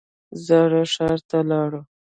زاړه ښار ته لاړو.